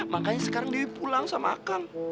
makanya sekarang dia pulang sama akang